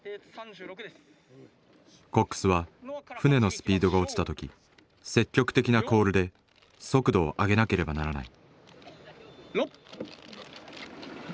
コックスは船のスピードが落ちた時積極的な「コール」で速度を上げなければならない。